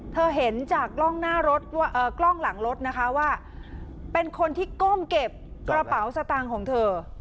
เธอเห็นจากกล้องหน้ารถกล้องหลังรถนะคะว่าเป็นคนที่ก้มเก็บกระเป๋าสตางค์ของเธอ